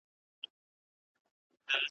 دې تهٔ نهٔ ګوري د اوږو چم کښې هره ورځ روژه ده